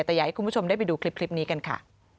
แต่อยากให้คุณผู้ชมได้ไปดูคลิปนี้กันค่ะ